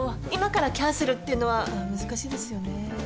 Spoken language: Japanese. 今からキャンセルっていうのは難しいですよね？